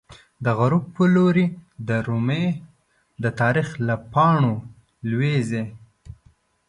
د غروب په لوری د رومی، د تاریخ له پاڼو لویزی